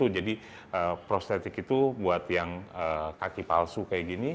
jadi prostetik itu buat yang kaki palsu kayak gini